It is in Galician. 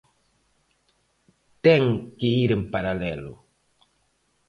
Ten que ir en paralelo.